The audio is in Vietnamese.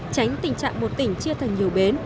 tránh tình trạng một tỉnh chia thành nhiều bến